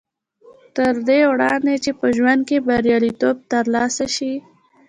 تر دې وړاندې چې په ژوند کې برياليتوب تر لاسه شي.